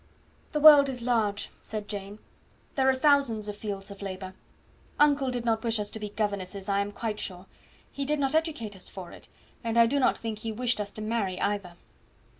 "The world is large," said Jane; "there are thousands of fields of labour. Uncle did not wish us to be governesses, I am quite sure; he did not educate us for it; and I do not think he wished us to marry either."